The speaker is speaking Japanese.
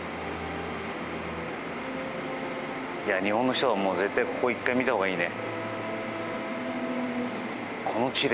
日本の人は絶対ここは１回見たほうがいいね。